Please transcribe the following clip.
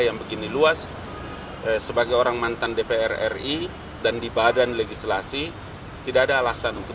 yang begini luas sebagai orang mantan dpr ri dan di badan legislasi tidak ada alasan untuk